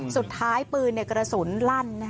สุดท้ายปืนกระสุนลั่น